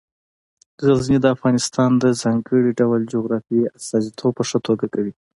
غزني د افغانستان د ځانګړي ډول جغرافیې استازیتوب په ښه توګه کوي.